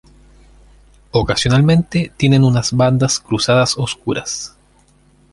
Ocasionalmente tienen unas bandas cruzadas oscuras.